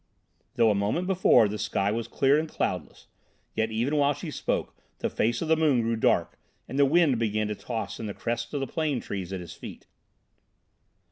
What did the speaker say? Though a moment before the sky was clear and cloudless, yet even while she spoke the face of the moon grew dark and the wind began to toss in the crests of the plane trees at his feet.